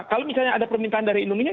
kalau misalnya ada permintaan dari indonesia